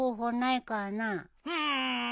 うん。